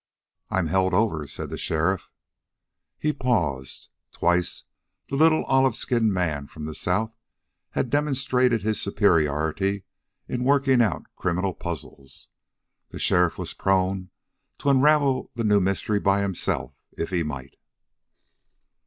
"I'm held over," said the sheriff. He paused. Twice the little olive skinned man from the south had demonstrated his superiority in working out criminal puzzles. The sheriff was prone to unravel the new mystery by himself, if he might.